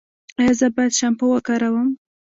ایا زه باید شامپو وکاروم؟